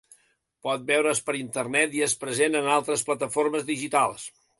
Pot veure's per internet i és present en altres plataformes digitals.